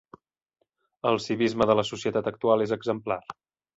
El civisme de la societat actual és exemplar.